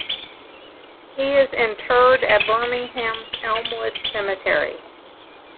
He is interred at Birmingham's Elmwood Cemetery.